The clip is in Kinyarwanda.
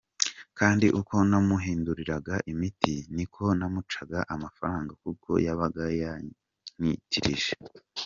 Kandi uko namuhinduriraga imiti niko namucaga amafaranga kuko yabaga yantitirije.